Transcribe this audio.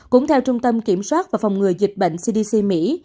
cũng theo trung tâm kiểm soát và phòng ngừa dịch bệnh cdc mỹ